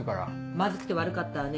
まずくて悪かったわね。